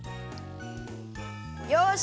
よし！